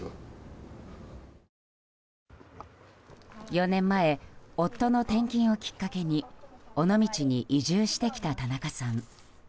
４年前、夫の転勤をきっかけに尾道に移住してきた田中さん。